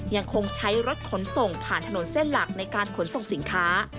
ยังคงใช้รถขนส่งผ่านถนนเส้นหลักในการขนส่งสินค้า